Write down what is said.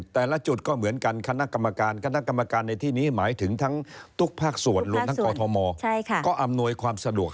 แต่ละจุดก็เหมือนกันคณะกรรมการ